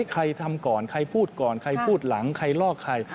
ใครทำก่อนใครพูดก่อนใครพูดหลังใครลอกใคร